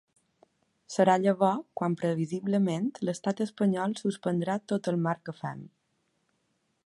Serà llavors quan previsiblement l’estat espanyol suspendrà tot el marc que fem.